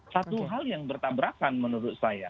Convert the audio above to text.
satu hal yang bertabrakan menurut saya